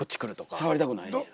あ触りたくないねや。